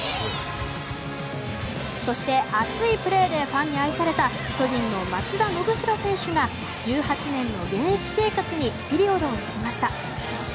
そして熱いプレーでファンに愛された巨人の松田宣浩選手が１８年の現役生活にピリオドを打ちました。